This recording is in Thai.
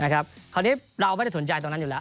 คราวนี้เราไม่ได้สนใจตรงนั้นอยู่แล้ว